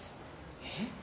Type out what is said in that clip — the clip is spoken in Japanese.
えっ？